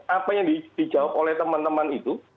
apa yang dijawab oleh teman teman itu